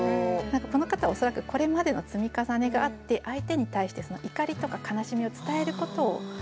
この方恐らくこれまでの積み重ねがあって相手に対して怒りとか悲しみを伝えることを諦めてしまってる。